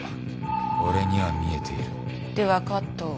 俺には見えているではカットを。